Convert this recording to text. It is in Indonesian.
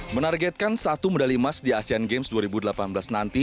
menargetkan satu medali emas di asean games dua ribu delapan belas nanti